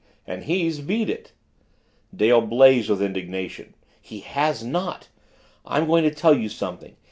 And he's beat it!" Dale blazed with indignation. "He has not! I'm going to tell you something.